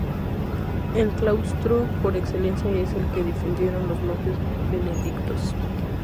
El claustro por excelencia es el que difundieron los monjes benedictinos.